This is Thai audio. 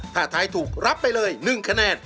ถ้าทายถูกรับไปเลย๑คะแนน